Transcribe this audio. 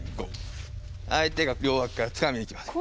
相手が両脇からつかみにきます。